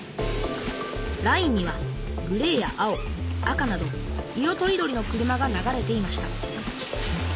ラインにはグレーや青赤など色とりどりの車が流れていました。